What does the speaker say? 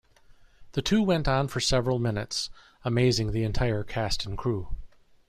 The two went on for several minutes, amazing the entire cast and crew.